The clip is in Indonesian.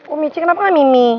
oh mici kenapa gak mimi